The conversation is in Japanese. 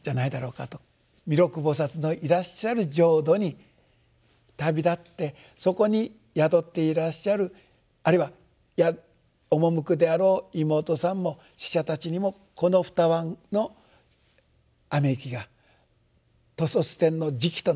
弥勒菩のいらっしゃる浄土に旅立ってそこに宿っていらっしゃるあるいは赴くであろう妹さんも死者たちにもこの二椀の雨雪が兜率天の食となると。